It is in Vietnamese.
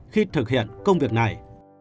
khi thực hiện công việc này